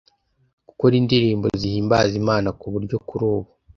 gukora indirimbo zihimbaza Imana ku buryo kuri ubu